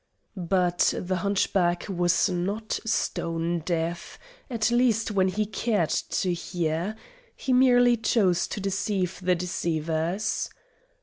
But the hunchback was not stone deaf at least when he cared to hear. He merely chose to deceive the deceivers.